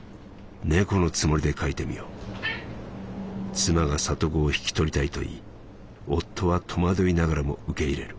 妻が里子を引き取りたいと言い夫は戸惑いながらも受け入れる。